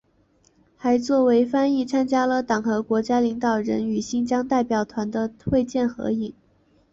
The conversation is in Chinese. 还作为翻译参加了党和国家领导人与新疆代表团的会见和合影。